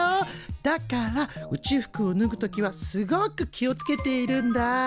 だから宇宙服をぬぐ時はすごく気をつけているんだ。